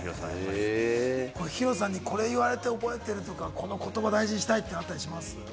ＨＩＲＯさんに、これ言われて覚えてるとか、この言葉、大事にしたいとかあったりします？